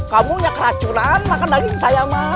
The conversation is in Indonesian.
kamu punya keracunan makan daging saya mau